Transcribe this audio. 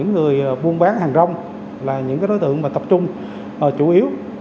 rồi buôn bán hàng rong là những cái đối tượng mà tập trung chủ yếu